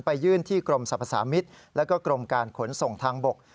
ยื่นที่กรมสรรพสามิตรแล้วก็กรมการขนส่งทางบก